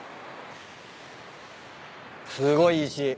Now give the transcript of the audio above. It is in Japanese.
すごい石。